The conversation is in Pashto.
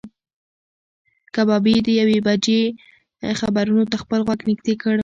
کبابي د یوې بجې خبرونو ته خپل غوږ نږدې کړ.